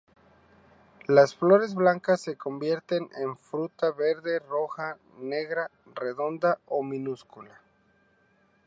Las flores blancas se convierten en fruta verde, roja o negra redonda y minúscula.